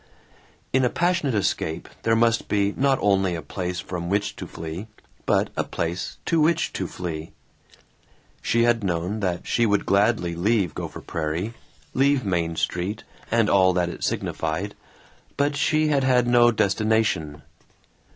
In a passionate escape there must be not only a place from which to flee but a place to which to flee. She had known that she would gladly leave Gopher Prairie, leave Main Street and all that it signified, but she had had no destination.